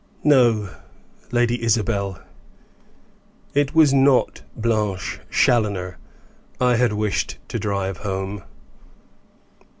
No Lady Isabel, it was not Blanche Challoner I had wished to drive home.